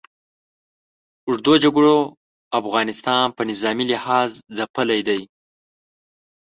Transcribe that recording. اوږدو جګړو افغانستان په نظامي لحاظ ځپلی دی.